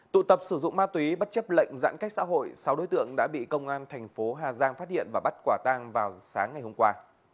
tụ tập sử dụng ma túy bất chấp lệnh giãn cách xã hội sáu đối tượng đã bị công an thành phố hà giang phát hiện và bắt quả tang vào sáng ngày hôm qua